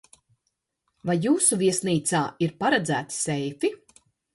Vai jūsu viesnīcā ir paredzēti seifi?